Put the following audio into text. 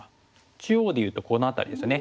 中央で言うとこの辺りですよね。